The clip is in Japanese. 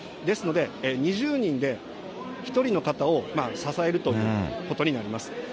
ですので、２０人で１人の方を支えるということになります。